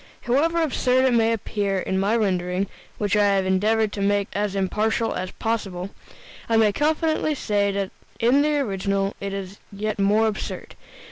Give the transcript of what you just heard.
However absurd it may appear in my rendering (which I have endeavored to make as impartial as possible), I may confidently say that in the original it is yet more absurd.